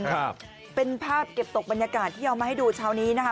ครับเป็นภาพเก็บตกบรรยากาศที่เอามาให้ดูเช้านี้นะคะ